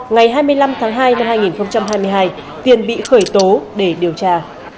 ngày hai mươi năm tháng hai năm hai nghìn hai mươi hai tiền bị khởi tố để điều tra